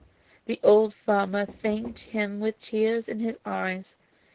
The old farmer thanked him with tears in his eyes.